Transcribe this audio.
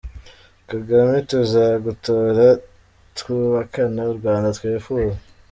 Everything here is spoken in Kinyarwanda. Kagame tuzagutora twubakane U Rwanda twifuza